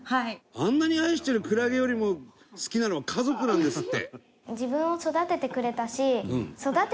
あんなに愛してるクラゲよりも好きなのは家族なんですって！